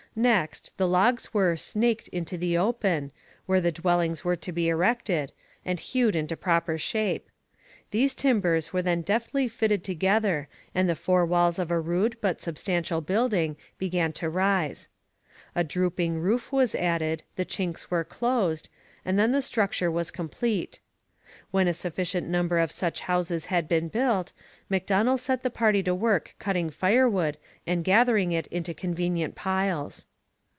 Next, the logs were 'snaked' into the open, where the dwellings were to be erected, and hewed into proper shape. These timbers were then deftly fitted together and the four walls of a rude but substantial building began to rise. A drooping roof was added, the chinks were closed, and then the structure was complete. When a sufficient number of such houses had been built, Macdonell set the party to work cutting firewood and gathering it into convenient piles.